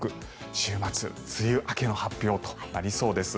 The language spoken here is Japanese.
週末、梅雨明けの発表となりそうです。